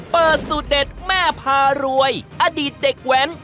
สูตรเด็ดแม่พารวยอดีตเด็กแว้น